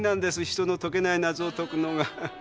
人の解けない謎を解くのが。